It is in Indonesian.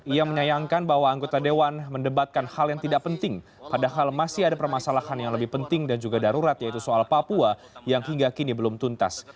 ia menyayangkan bahwa anggota dewan mendebatkan hal yang tidak penting padahal masih ada permasalahan yang lebih penting dan juga darurat yaitu soal papua yang hingga kini belum tuntas